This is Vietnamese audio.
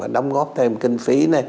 đóng góp thêm kinh phí